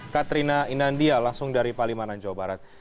katrina inandia langsung dari palimanan jawa barat